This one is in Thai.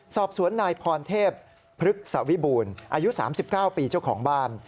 สอบสวนนายพรเทพพฤกษวิบูรณ์อายุ๓๙ปีเจ้าของบ้าน